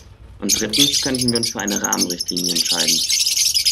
Und drittens könnten wir uns für eine Rahmenrichtlinie entscheiden.